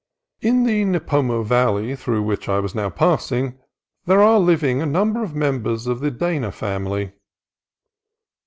In the Nipomo Valley, through which I was now passing, there are living a number of members of the Dana family.